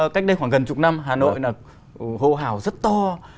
cách đây khoảng gần chục năm hà nội là hô hào rất to